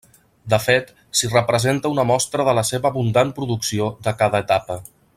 De fet, s'hi representa una mostra de la seva abundant producció de cada etapa.